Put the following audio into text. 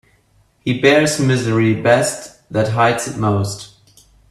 He bears misery best that hides it most.